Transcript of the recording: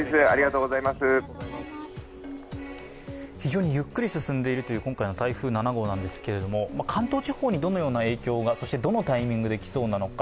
非常にゆっくり進んでいるという今回の台風７号なんですが、関東地方にどのような影響がそしてどのタイミングで来そうなのか。